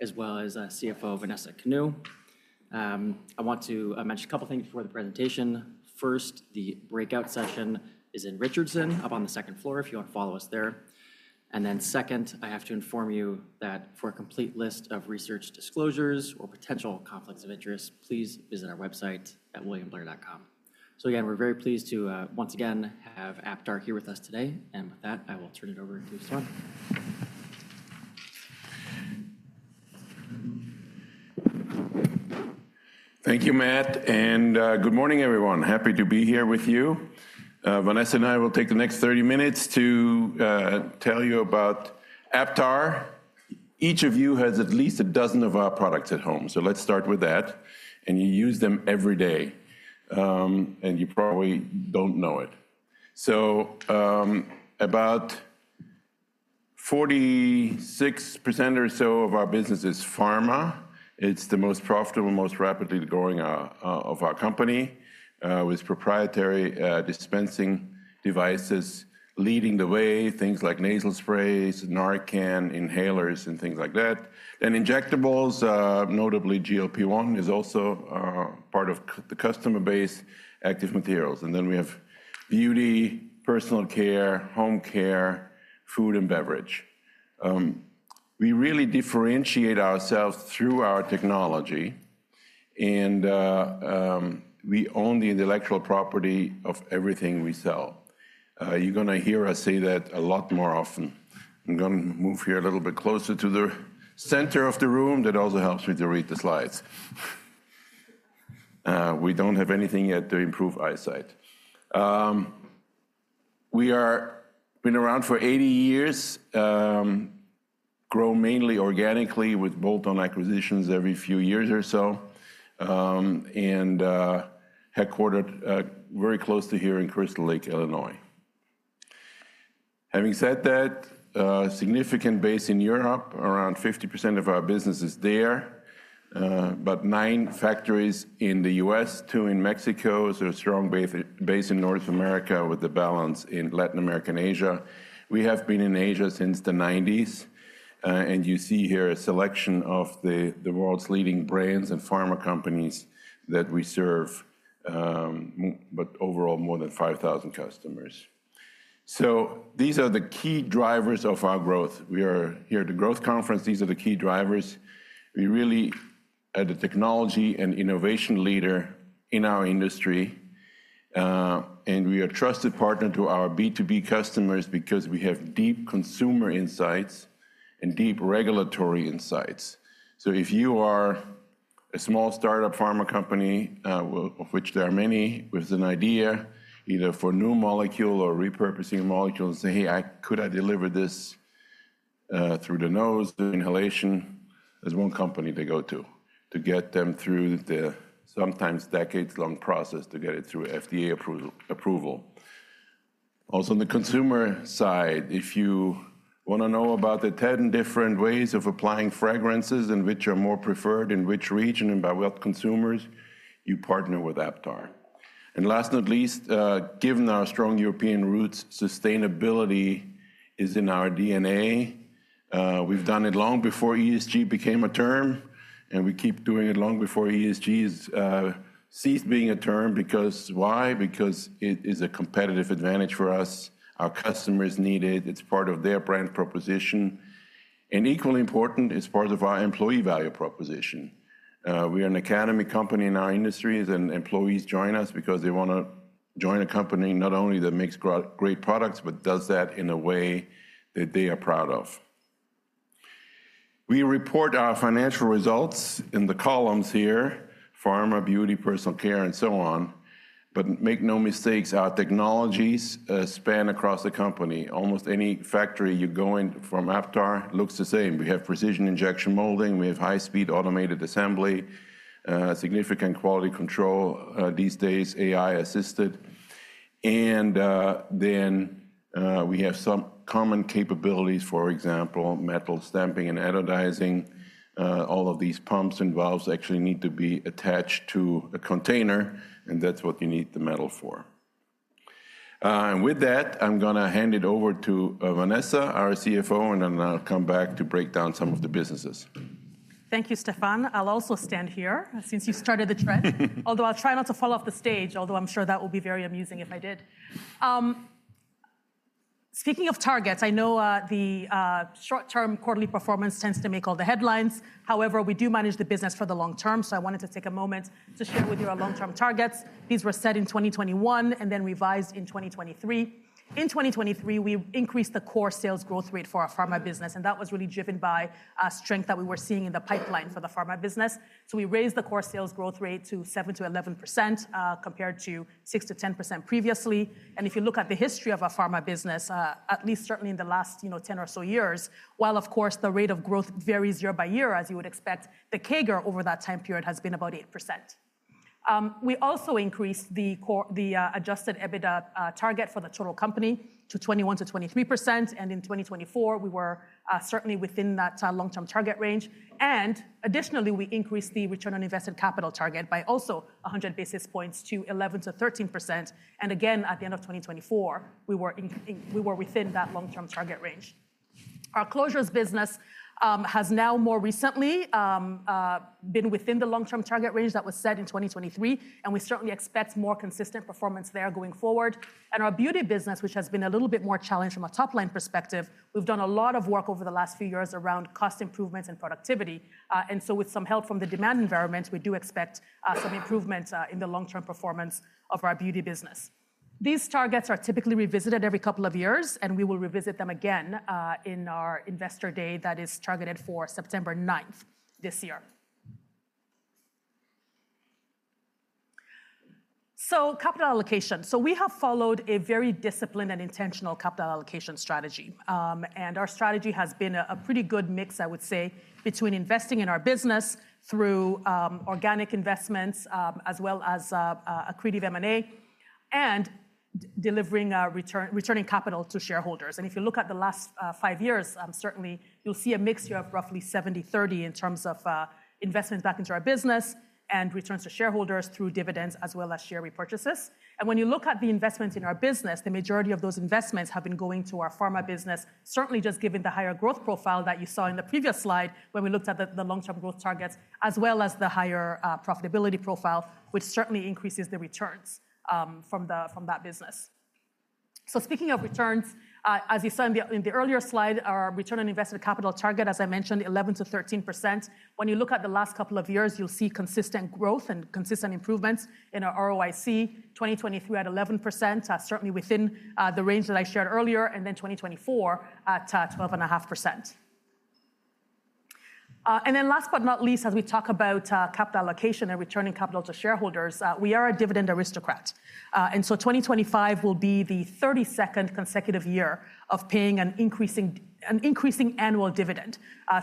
As well as CFO Vanessa Kanu. I want to mention a couple of things before the presentation. First, the breakout session is in Richardson up on the second floor if you want to follow us there. Second, I have to inform you that for a complete list of research disclosures or potential conflicts of interest, please visit our website at williamblair.com. Again, we're very pleased to once again have Aptar here with us today. And with that, I will turn it over to Stephan. Thank you, Matt, and good morning, everyone. Happy to be here with you. Vanessa and I will take the next 30 minutes to tell you about Aptar. Each of you has at least a dozen of our products at home. Let's start with that. You use them every day. You probably don't know it. About 46% or so of our business is pharma. It's the most profitable, most rapidly growing of our company with proprietary dispensing devices leading the way, things like nasal sprays, Narcan inhalers, and things like that. Injectables, notably GLP-1, are also part of the customer base, active materials. We have beauty, personal care, home care, food, and beverage. We really differentiate ourselves through our technology. We own the intellectual property of everything we sell. You're going to hear us say that a lot more often. I'm going to move here a little bit closer to the center of the room. That also helps me to read the slides. We do not have anything yet to improve eyesight. We have been around for 80 years, grow mainly organically with bolt-on acquisitions every few years or so. Headquartered very close to here in Crystal Lake, Illinois. Having said that, significant base in Europe, around 50% of our business is there, but nine factories in the U.S., two in Mexico, a strong base in North America with a balance in Latin America and Asia. We have been in Asia since the 1990s. You see here a selection of the world's leading brands and pharma companies that we serve, but overall, more than 5,000 customers. These are the key drivers of our growth. We are here at the Growth Conference. These are the key drivers. We really are the technology and innovation leader in our industry. We are a trusted partner to our B2B customers because we have deep consumer insights and deep regulatory insights. If you are a small startup pharma company, of which there are many, with an idea either for new molecules or repurposing molecules and say, hey, could I deliver this through the nose inhalation, there is one company to go to to get them through the sometimes decades-long process to get it through FDA approval. Also, on the consumer side, if you want to know about the 10 different ways of applying fragrances and which are more preferred in which region and by what consumers, you partner with Aptar. Last but not least, given our strong European roots, sustainability is in our DNA. We have done it long before ESG became a term. We keep doing it long before ESG ceased being a term. Why? Because it is a competitive advantage for us. Our customers need it. It is part of their brand proposition. Equally important, it is part of our employee value proposition. We are an academy company in our industry. Employees join us because they want to join a company not only that makes great products, but does that in a way that they are proud of. We report our financial results in the columns here: pharma, beauty, personal care, and so on. Make no mistakes, our technologies span across the company. Almost any factory you go in from Aptar it looks the same. We have precision injection molding. We have high-speed automated assembly, significant quality control these days, AI-assisted. We have some common capabilities, for example, metal stamping and anodizing. All of these pumps and valves actually need to be attached to a container. That is what you need the metal for. With that, I'm going to hand it over to Vanessa, our CFO, and then I'll come back to break down some of the businesses. Thank you, Stephan. I'll also stand here since you started the thread, although I'll try not to fall off the stage, although I'm sure that will be very amusing if I did. Speaking of targets, I know the short-term quarterly performance tends to make all the headlines. However, we do manage the business for the long term. I wanted to take a moment to share with you our long-term targets. These were set in 2021 and then revised in 2023. In 2023, we increased the core sales growth rate for our pharma business. That was really driven by strength that we were seeing in the pipeline for the pharma business. We raised the core sales growth rate to 7%-11% compared to 6%-10% previously. If you look at the history of our pharma business, at least certainly in the last 10 or so years, while, of course, the rate of growth varies year by year, as you would expect, the CAGR over that time period has been about 8%. We also increased the Adjusted EBITDA target for the total company to 21%-23%. In 2024, we were certainly within that long-term target range. Additionally, we increased the return on invested capital target by also 100 basis points to 11%-13%. Again, at the end of 2024, we were within that long-term target range. Our closures business has now more recently been within the long-term target range that was set in 2023. We certainly expect more consistent performance there going forward. Our beauty business, which has been a little bit more challenged from a top-line perspective, we've done a lot of work over the last few years around cost improvements and productivity. With some help from the demand environment, we do expect some improvement in the long-term performance of our beauty business. These targets are typically revisited every couple of years. We will revisit them again in our Investor Day that is targeted for September 9th this year. Capital allocation. We have followed a very disciplined and intentional capital allocation strategy. Our strategy has been a pretty good mix, I would say, between investing in our business through organic investments as well as accretive M&A and delivering returning capital to shareholders. If you look at the last five years, certainly, you'll see a mixture of roughly 70/30 in terms of investments back into our business and returns to shareholders through dividends as well as share repurchases. When you look at the investments in our business, the majority of those investments have been going to our pharma business, certainly just given the higher growth profile that you saw in the previous slide when we looked at the long-term growth targets as well as the higher profitability profile, which certainly increases the returns from that business. Speaking of returns, as you saw in the earlier slide, our return on invested capital target, as I mentioned, is 11%-13%. When you look at the last couple of years, you'll see consistent growth and consistent improvements in our ROIC. 2023 at 11%, certainly within the range that I shared earlier, and then 2024 at 12.5%. Last but not least, as we talk about capital allocation and returning capital to shareholders, we are a dividend aristocrat. 2025 will be the 32nd consecutive year of paying an increasing annual dividend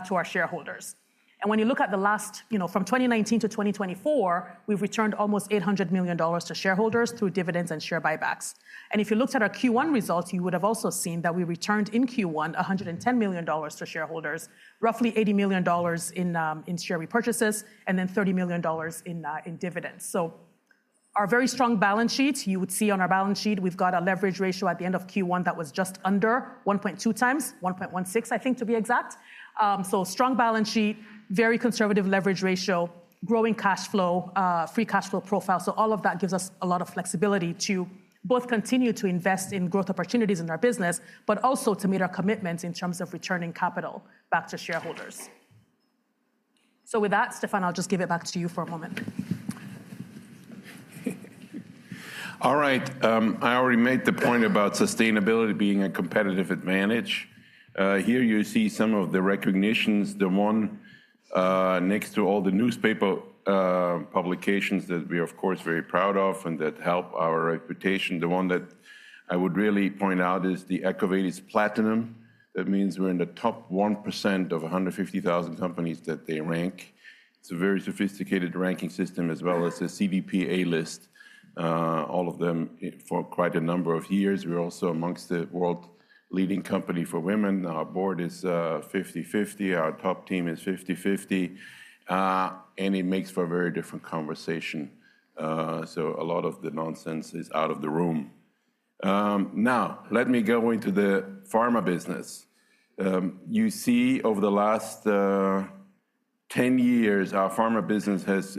to our shareholders. When you look at the last, from 2019 to 2024, we've returned almost $800 million to shareholders through dividends and share buybacks. If you looked at our Q1 results, you would have also seen that we returned in Q1 $110 million to shareholders, roughly $80 million in share repurchases, and $30 million in dividends. Our very strong balance sheet, you would see on our balance sheet, we've got a leverage ratio at the end of Q1 that was just under 1.2x, 1.16, I think, to be exact. Strong balance sheet, very conservative leverage ratio, growing cash flow, free cash flow profile. All of that gives us a lot of flexibility to both continue to invest in growth opportunities in our business, but also to meet our commitments in terms of returning capital back to shareholders. With that, Stephan, I'll just give it back to you for a moment. All right. I already made the point about sustainability being a competitive advantage. Here you see some of the recognitions. The one next to all the newspaper publications that we are, of course, very proud of and that help our reputation. The one that I would really point out is the Echovadis Platinum. That means we're in the top 1% of 150,000 companies that they rank. It's a very sophisticated ranking system as well as a CVPA list, all of them for quite a number of years. We're also amongst the world's leading company for women. Our board is 50/50. Our top team is 50/50. It makes for a very different conversation. A lot of the nonsense is out of the room. Now, let me go into the pharma business. You see, over the last 10 years, our pharma business has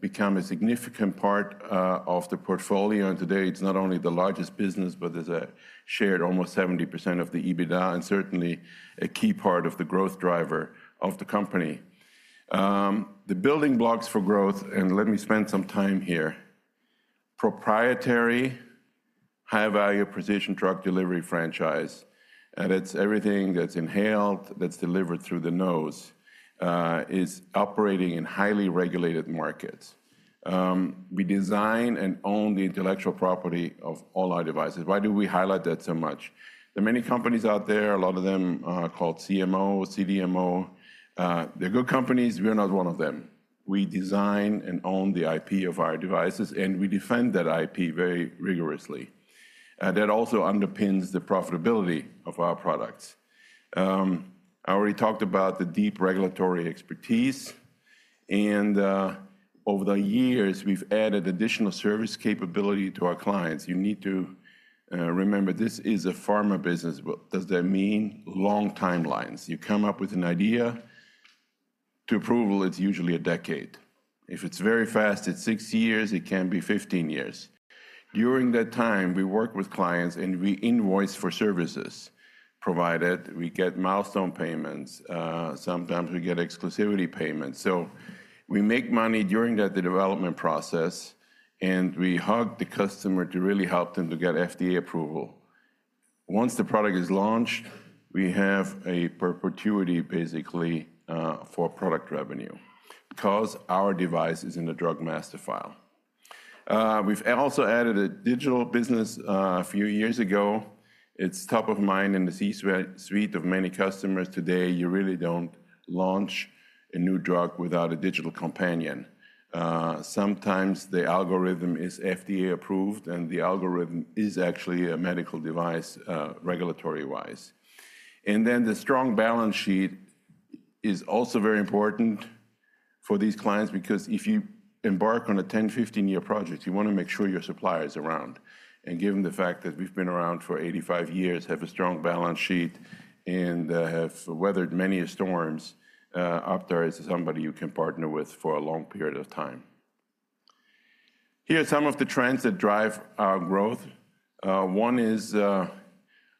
become a significant part of the portfolio. Today, it's not only the largest business, but it shared almost 70% of the EBITDA and certainly a key part of the growth driver of the company. The building blocks for growth, and let me spend some time here, proprietary high-value precision drug delivery franchise. It's everything that's inhaled, that's delivered through the nose, is operating in highly regulated markets. We design and own the intellectual property of all our devices. Why do we highlight that so much? There are many companies out there, a lot of them called CMO, CDMO. They're good companies. We're not one of them. We design and own the IP of our devices. We defend that IP very rigorously. That also underpins the profitability of our products. I already talked about the deep regulatory expertise. Over the years, we've added additional service capability to our clients. You need to remember this is a pharma business. What does that mean? Long timelines. You come up with an idea. To approval, it's usually a decade. If it's very fast, it's six years. It can be 15 years. During that time, we work with clients, and we invoice for services provided. We get milestone payments. Sometimes we get exclusivity payments. We make money during the development process. We hug the customer to really help them to get FDA approval. Once the product is launched, we have a perpetuity, basically, for product revenue because our device is in the Drug Master File. We've also added a digital business a few years ago. It's top of mind in the C-suite of many customers today. You really don't launch a new drug without a digital companion. Sometimes the algorithm is FDA approved, and the algorithm is actually a medical device regulatory-wise. The strong balance sheet is also very important for these clients because if you embark on a 10-15 year project, you want to make sure your supplier is around. Given the fact that we have been around for 85 years, have a strong balance sheet, and have weathered many storms, Aptar is somebody you can partner with for a long period of time. Here are some of the trends that drive our growth. One is a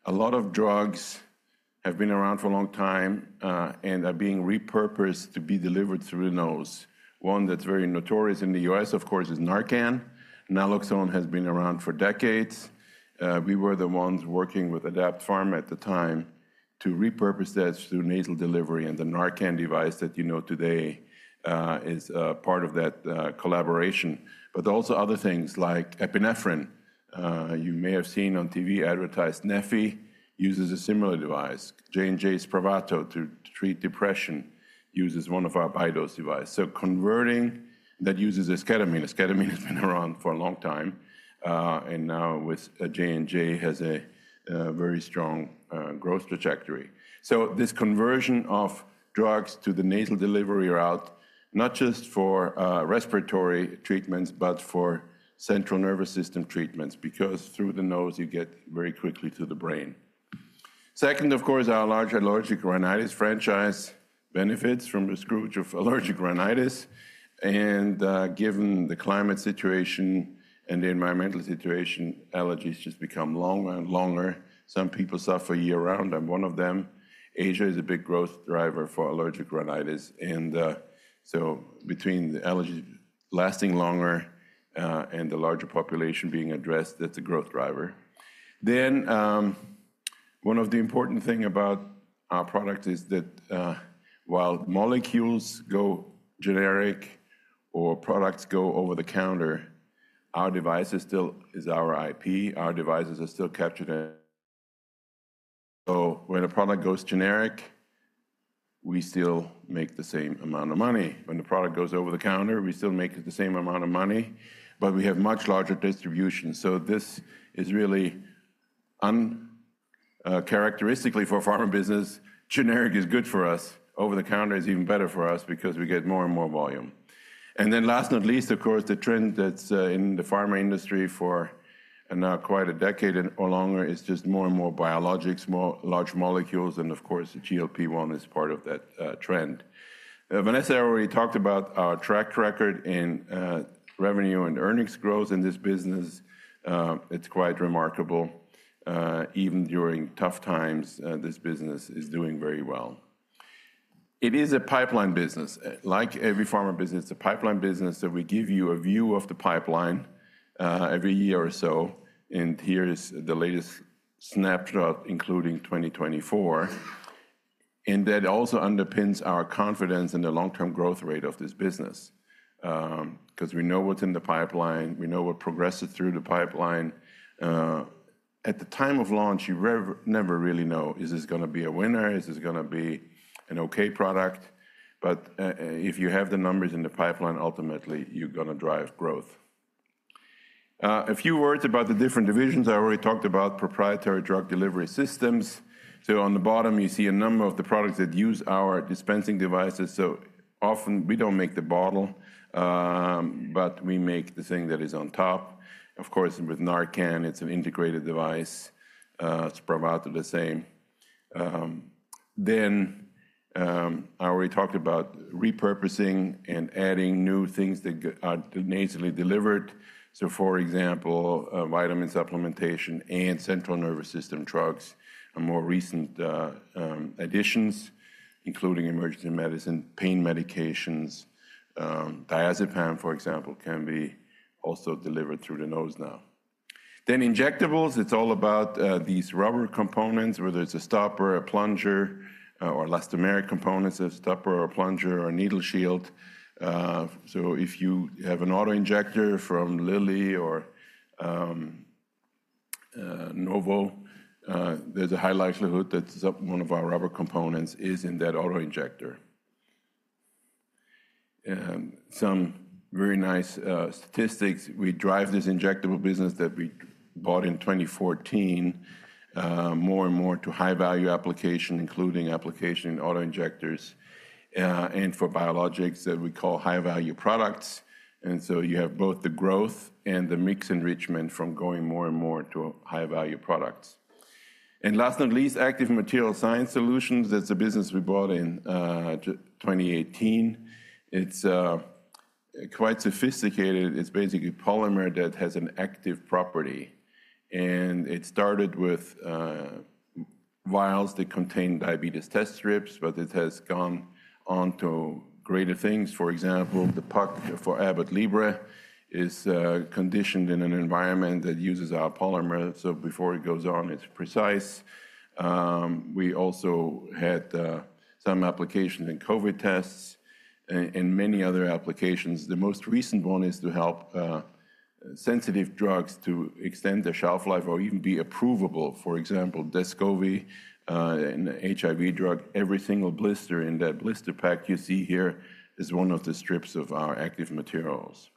lot of drugs have been around for a long time and are being repurposed to be delivered through the nose. One that is very notorious in the U.S., of course, is Narcan. Naloxone has been around for decades. We were the ones working with Adapt Pharma at the time to repurpose that through nasal delivery. The Narcan device that you know today is part of that collaboration. But also other things like epinephrine. You may have seen on TV advertised Neffy uses a similar device. J&J's Spravato to treat depression uses one of our Bidose devices. Converting that uses esketamine. Esketamine has been around for a long time. Now with J&J, it has a very strong growth trajectory. This conversion of drugs to the nasal delivery route is not just for respiratory treatments, but for central nervous system treatments because through the nose, you get very quickly to the brain. Second, of course, our large allergic rhinitis franchise benefits from the scourge of allergic rhinitis. Given the climate situation and the environmental situation, allergies just become longer and longer. Some people suffer year-round. I'm one of them. Asia is a big growth driver for allergic rhinitis. Between the allergies lasting longer and the larger population being addressed, that's a growth driver. One of the important things about our product is that while molecules go generic or products go over the counter, our device is still our IP. Our devices are still captured. When a product goes generic, we still make the same amount of money. When the product goes over the counter, we still make the same amount of money. We have much larger distribution. This is really uncharacteristic for a pharma business. Generic is good for us. Over the counter is even better for us because we get more and more volume. Last but not least, of course, the trend that's in the pharma industry for now quite a decade or longer is just more and more biologics, more large molecules. Of course, the GLP-1 is part of that trend. Vanessa already talked about our track record in revenue and earnings growth in this business. It's quite remarkable. Even during tough times, this business is doing very well. It is a pipeline business. Like every pharma business, it's a pipeline business that we give you a view of the pipeline every year or so. Here is the latest snapshot, including 2024. That also underpins our confidence in the long-term growth rate of this business because we know what's in the pipeline. We know what progresses through the pipeline. At the time of launch, you never really know. Is this going to be a winner? Is this going to be an OK product? If you have the numbers in the pipeline, ultimately, you're going to drive growth. A few words about the different divisions. I already talked about proprietary drug delivery systems. On the bottom, you see a number of the products that use our dispensing devices. Often, we don't make the bottle, but we make the thing that is on top. Of course, with Narcan, it's an integrated device. Spravato, Mary Skafidas, the same. I already talked about repurposing and adding new things that are nasally delivered. For example, vitamin supplementation and central nervous system drugs are more recent additions, including emergency medicine, pain medications. Diazepam, for example, can be also delivered through the nose now. Injectables, it's all about these rubber components, whether it's a stopper, a plunger, or elastomeric components of stopper or plunger or needle shield. If you have an auto injector from Lilly or Novo, there's a high likelihood that one of our rubber components is in that auto injector. Some very nice statistics. We drive this injectable business that we bought in 2014 more and more to high-value application, including application in auto injectors and for biologics that we call high-value products. You have both the growth and the mix enrichment from going more and more to high-value products. Last but not least, active material science solutions. That is a business we bought in 2018. It is quite sophisticated. It is basically polymer that has an active property. It started with vials that contain diabetes test strips, but it has gone on to greater things. For example, the puck for Abbott Libre is conditioned in an environment that uses our polymer. Before it goes on, it is precise. We also had some applications in COVID tests and many other applications. The most recent one is to help sensitive drugs to extend their shelf life or even be approvable. For example, Descovy, an HIV drug, every single blister in that blister pack you see here is one of the strips of our active materials.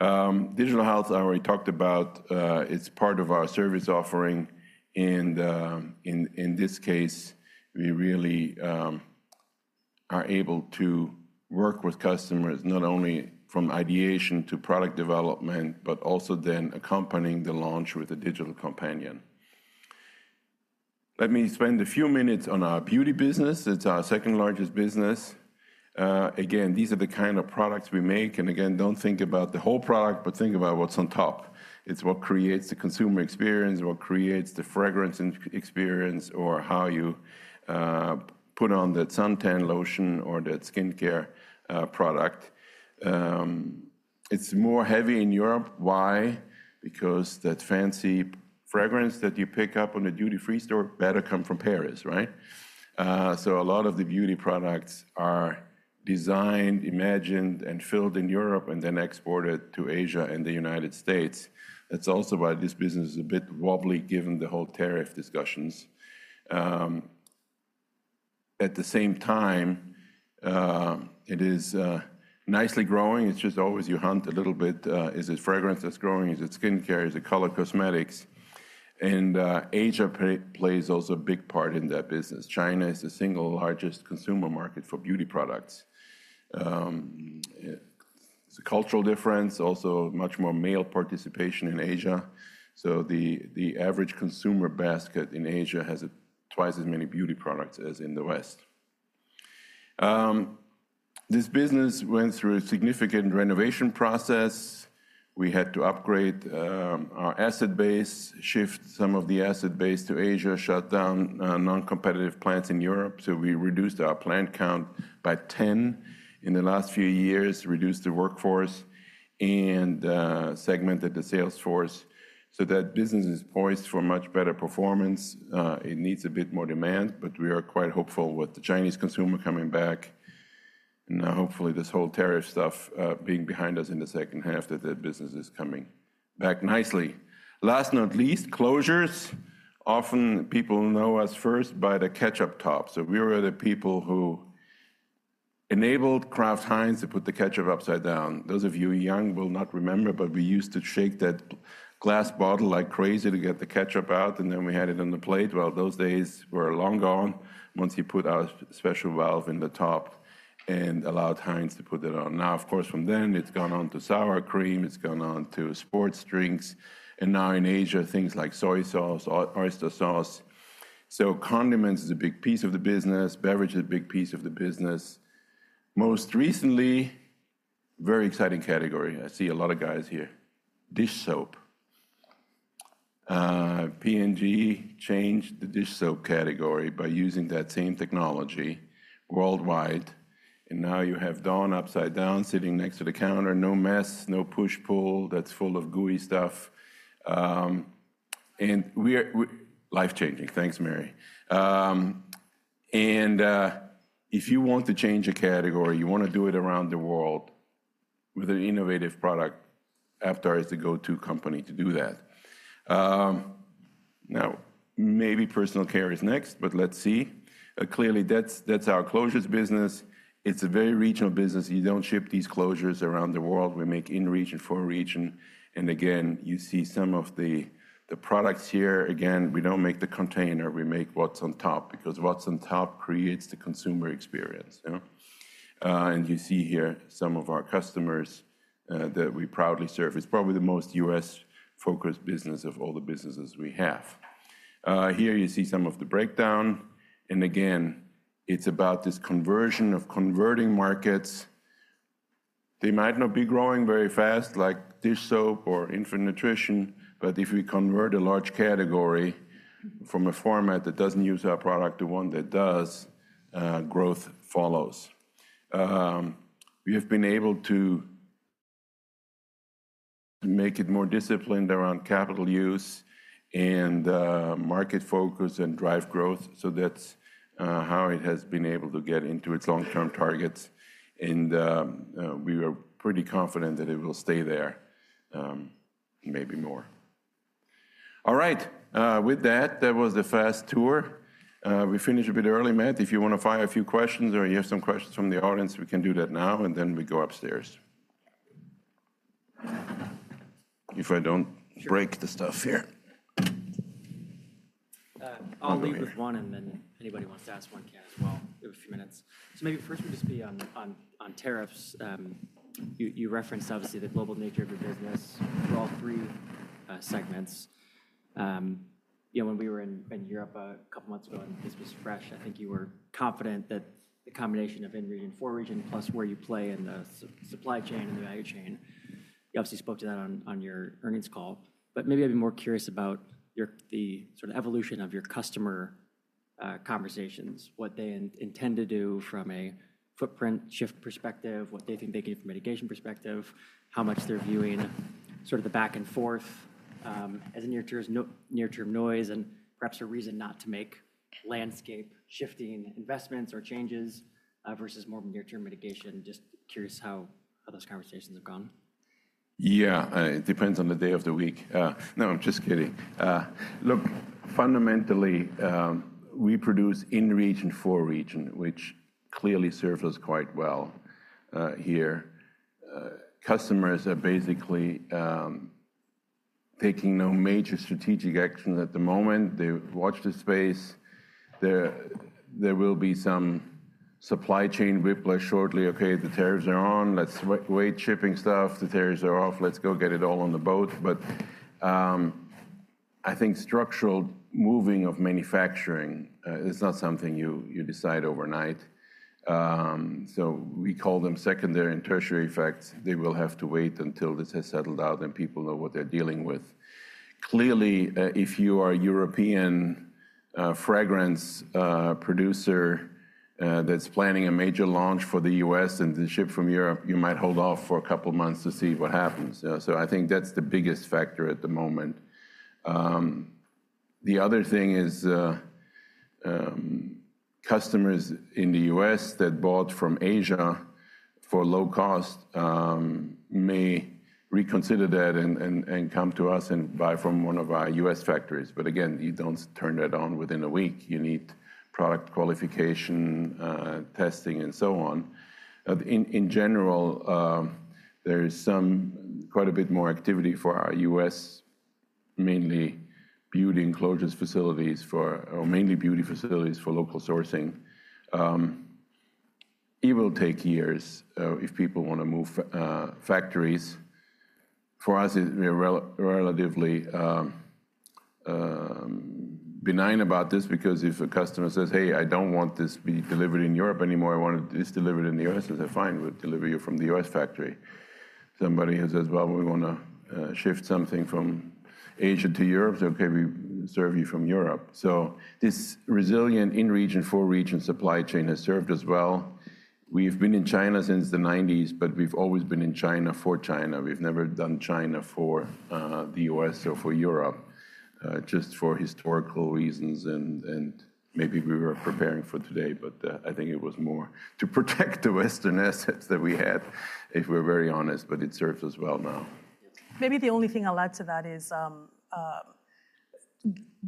Digital Health, I already talked about. It's part of our service offering. In this case, we really are able to work with customers not only from ideation to product development, but also then accompanying the launch with a digital companion. Let me spend a few minutes on our beauty business. It's our second largest business. These are the kind of products we make. Again, don't think about the whole product, but think about what's on top. It's what creates the consumer experience, what creates the fragrance experience, or how you put on that suntan lotion or that skincare product. It's more heavy in Europe. Why? Because that fancy fragrance that you pick up on the duty-free store better come from Paris, right? A lot of the beauty products are designed, imagined, and filled in Europe and then exported to Asia and the United States. That's also why this business is a bit wobbly given the whole tariff discussions. At the same time, it is nicely growing. It's just always you hunt a little bit. Is it fragrance that's growing? Is it skincare? Is it color cosmetics? Asia plays also a big part in that business. China is the single largest consumer market for beauty products. It's a cultural difference, also much more male participation in Asia. The average consumer basket in Asia has twice as many beauty products as in the West. This business went through a significant renovation process. We had to upgrade our asset base, shift some of the asset base to Asia, shut down non-competitive plants in Europe. We reduced our plant count by 10 in the last few years, reduced the workforce, and segmented the sales force. That business is poised for much better performance. It needs a bit more demand, but we are quite hopeful with the Chinese consumer coming back. Now, hopefully, this whole tariff stuff being behind us in the second half, that business is coming back nicely. Last but not least, closures. Often people know us first by the ketchup top. We were the people who enabled Kraft Heinz to put the ketchup upside down. Those of you young will not remember, but we used to shake that glass bottle like crazy to get the ketchup out. Then we had it on the plate. Those days were long gone once you put our special valve in the top and allowed Heinz to put it on. Now, of course, from then, it's gone on to sour cream. It's gone on to sports drinks. Now in Asia, things like soy sauce, oyster sauce. Condiments is a big piece of the business. Beverage is a big piece of the business. Most recently, very exciting category. I see a lot of guys here. Dish soap. P&G changed the dish soap category by using that same technology worldwide. Now you have Dawn upside down sitting next to the counter. No mess, no push-pull. That's full of gooey stuff. We're life-changing. Thanks, Mary. If you want to change a category, you want to do it around the world with an innovative product, Aptar is the go-to company to do that. Maybe personal care is next, but let's see. Clearly, that's our closures business. It's a very regional business. You don't ship these closures around the world. We make in-region, for-region. You see some of the products here. We don't make the container. We make what's on top because what's on top creates the consumer experience. You see here some of our customers that we proudly serve. It's probably the most US-focused business of all the businesses we have. Here you see some of the breakdown. It's about this conversion of converting markets. They might not be growing very fast like dish soap or infant nutrition, but if we convert a large category from a format that doesn't use our product to one that does, growth follows. We have been able to make it more disciplined around capital use and market focus and drive growth. That's how it has been able to get into its long-term targets. We are pretty confident that it will stay there, maybe more. All right. With that, that was the fast tour. We finished a bit early, Matt. If you want to fire a few questions or you have some questions from the audience, we can do that now. Then we go upstairs if I do not break the stuff here. I will lead with one. Anybody who wants to ask one can as well. We have a few minutes. Maybe first, we will just be on tariffs. You referenced, obviously, the global nature of your business for all three segments. When we were in Europe a couple of months ago and this was fresh, I think you were confident that the combination of in-region, for-region, plus where you play in the supply chain and the value chain, you obviously spoke to that on your earnings call. Maybe I'd be more curious about the sort of evolution of your customer conversations, what they intend to do from a footprint shift perspective, what they think they can do from a mitigation perspective, how much they're viewing sort of the back and forth as near-term noise, and perhaps a reason not to make landscape-shifting investments or changes versus more of a near-term mitigation. Just curious how those conversations have gone. Yeah, it depends on the day of the week. No, I'm just kidding. Look, fundamentally, we produce in-region, for-region, which clearly serves us quite well here. Customers are basically taking no major strategic actions at the moment. They watch the space. There will be some supply chain whiplash shortly. Okay, the tariffs are on. Let's wait shipping stuff. The tariffs are off. Let's go get it all on the boat. But I think structural moving of manufacturing is not something you decide overnight. We call them secondary and tertiary effects. They will have to wait until this has settled out and people know what they're dealing with. Clearly, if you are a European fragrance producer that's planning a major launch for the U.S. and to ship from Europe, you might hold off for a couple of months to see what happens. I think that's the biggest factor at the moment. The other thing is customers in the U.S. that bought from Asia for low cost may reconsider that and come to us and buy from one of our U.S. factories. Again, you don't turn that on within a week. You need product qualification, testing, and so on. In general, there is quite a bit more activity for our US, mainly beauty enclosures facilities or mainly beauty facilities for local sourcing. It will take years if people want to move factories. For us, we are relatively benign about this because if a customer says, "Hey, I don't want this to be delivered in Europe anymore. I want it delivered in the U.S.," they say, "Fine, we'll deliver you from the U.S. factory." Somebody who says, "Well, we want to shift something from Asia to Europe," okay, we serve you from Europe. This resilient in-region, for-region supply chain has served us well. We've been in China since the 1990s, but we've always been in China for China. We've never done China for the U.S. or for Europe, just for historical reasons. Maybe we were preparing for today, but I think it was more to protect the Western assets that we had, if we're very honest. It serves us well now. Maybe the only thing I'll add to that is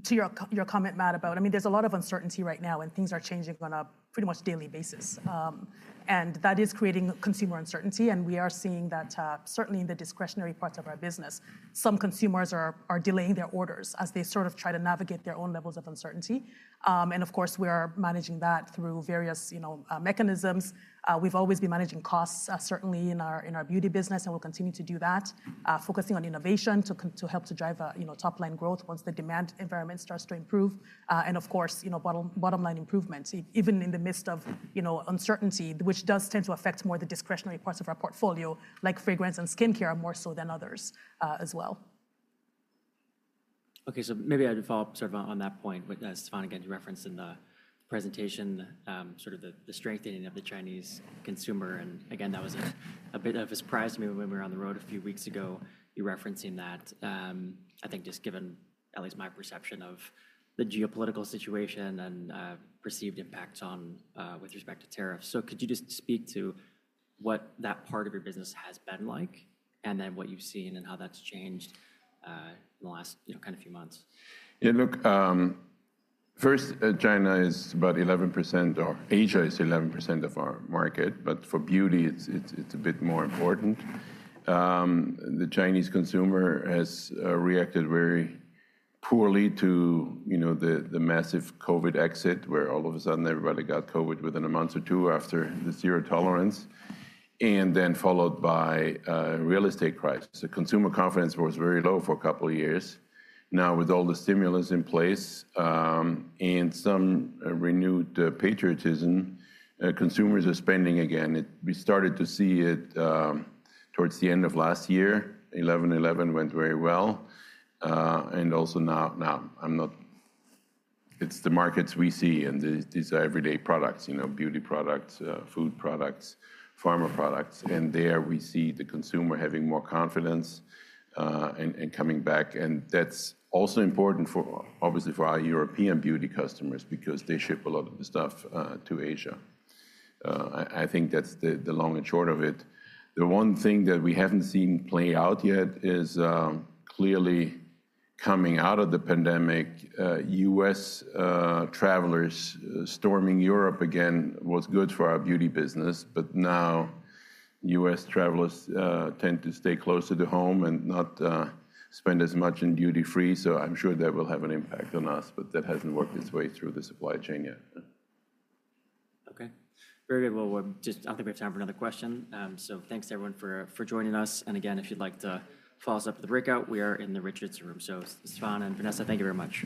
to your comment, Matt, about, I mean, there's a lot of uncertainty right now, and things are changing on a pretty much daily basis. That is creating consumer uncertainty. We are seeing that certainly in the discretionary parts of our business, some consumers are delaying their orders as they sort of try to navigate their own levels of uncertainty. Of course, we are managing that through various mechanisms. We've always been managing costs, certainly in our beauty business, and we'll continue to do that, focusing on innovation to help to drive top-line growth once the demand environment starts to improve. Of course, bottom-line improvement, even in the midst of uncertainty, which does tend to affect more the discretionary parts of our portfolio, like fragrance and skincare more so than others as well. Okay, maybe I'd follow up sort of on that point with Stephan again. You referenced in the presentation sort of the strengthening of the Chinese consumer. That was a bit of a surprise to me when we were on the road a few weeks ago, you referencing that. I think just given at least my perception of the geopolitical situation and perceived impacts with respect to tariffs. Could you just speak to what that part of your business has been like and then what you've seen and how that's changed in the last few months? Yeah, look, first, China is about 11% or Asia is 11% of our market. For beauty, it's a bit more important. The Chinese consumer has reacted very poorly to the massive COVID exit where all of a sudden everybody got COVID within a month or two after the zero tolerance, and then followed by a real estate crisis. The consumer confidence was very low for a couple of years. Now, with all the stimulus in place and some renewed patriotism, consumers are spending again. We started to see it towards the end of last year. '11, '11 went very well. Also now, it's the markets we see and these are everyday products, beauty products, food products, pharma products. There we see the consumer having more confidence and coming back. That's also important, obviously, for our European beauty customers because they ship a lot of the stuff to Asia. I think that's the long and short of it. The one thing that we haven't seen play out yet is clearly coming out of the pandemic, U.S. travelers storming Europe again was good for our beauty business. Now U.S. travelers tend to stay closer to home and not spend as much in duty-free. I'm sure that will have an impact on us, but that hasn't worked its way through the supply chain yet. Okay, very good. I think we have time for another question. Thanks, everyone, for joining us. Again, if you'd like to follow us up with a breakout, we are in the Richards Room. Stephan and Vanessa, thank you very much.